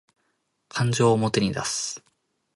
感情を表に出す